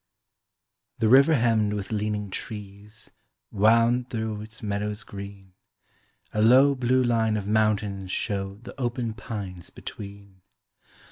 The river hemmed with leaning trees Wound through its meadows green; A low, blue line of mountains showed The open pines between.